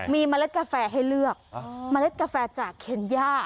มีเมล็ดกาแฟให้เลือกเมล็ดกาแฟจากเคนย่า